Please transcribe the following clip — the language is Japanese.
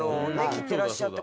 切ってらっしゃって。